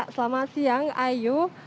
selamat siang ayu